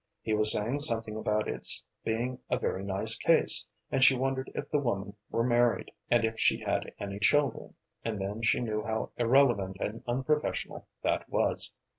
He was saying something about its being a very nice case, and she wondered if the woman were married, and if she had any children, and then she knew how irrelevant and unprofessional that was.